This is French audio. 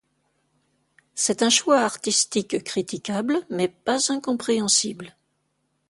C'est un choix artistique critiquable mais pas incompréhensible.